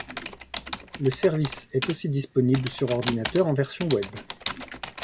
Le service est aussi disponible sur ordinateur en version web.